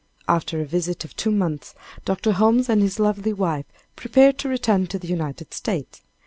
After a visit of two months, Dr. Holmes and his lovely wife prepared to return to the United States.